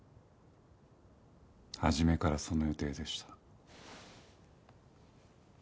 初めからその予定でした。